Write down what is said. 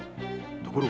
ところが。